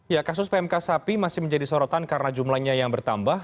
ya kasus pmk sapi masih menjadi sorotan karena jumlahnya yang bertambah